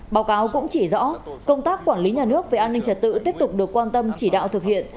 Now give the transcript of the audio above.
báo cáo cũng chỉ rõ công tác quản lý nhà nước về an ninh trật tự tiếp tục được quan tâm chỉ đạo thực hiện